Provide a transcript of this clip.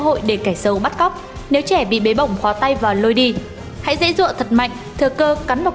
hội để kẻ sâu bắt cóc nếu trẻ bị bế bỏng khóa tay và lôi đi hãy dễ dụa thật mạnh thừa cơ cắn vào